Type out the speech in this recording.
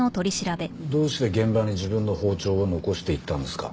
どうして現場に自分の包丁を残していったんですか？